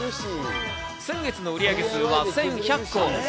先月の売り上げ数は１１００個。